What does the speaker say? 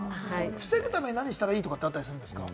防ぐために何したらいいとかあるんですか？